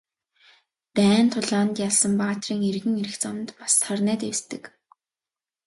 Дайн тулаанд ялсан баатрын эргэн ирэх замд бас сарнай дэвсдэг.